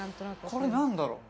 これ何だろう？